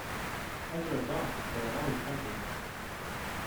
As a result, they are always hungry.